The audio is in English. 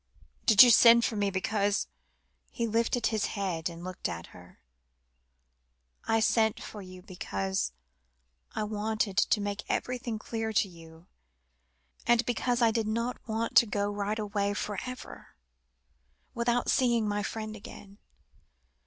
"Did you send for me because" he lifted his head and looked at her. "I sent for you because I wanted to make everything clear to you, and because I did not want to go right away for ever, without seeing my friend again.